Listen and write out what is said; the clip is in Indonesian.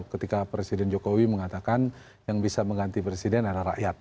ketika presiden jokowi mengatakan yang bisa mengganti presiden adalah rakyat